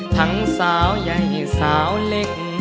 ทั้งสาวใหญ่สาวเล็ก